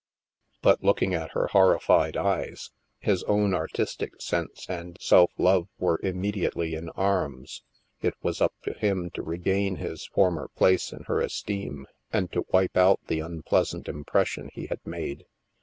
But looking at her horrified eyes, his own artistic sense and self love were immediately in arms. It was up to him to regain his former place in her esteem, and to wipe out the unpleasant impression he had made.